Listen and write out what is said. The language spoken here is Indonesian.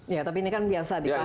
ya tapi ini kan biasa dipakai